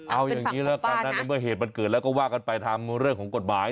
เอาอย่างนี้แล้วกันนะในเมื่อเหตุมันเกิดแล้วก็ว่ากันไปทางเรื่องของกฎหมาย